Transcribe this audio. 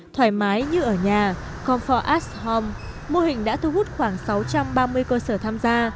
thoải mái như ở nhà compor at home mô hình đã thu hút khoảng sáu trăm ba mươi cơ sở tham gia